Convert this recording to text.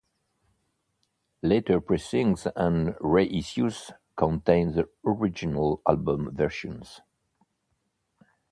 Later pressings and reissues contain the original album versions.